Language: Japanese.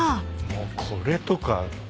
もうこれとか。